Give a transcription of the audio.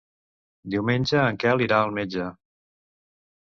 Diumenge en Quel irà al metge.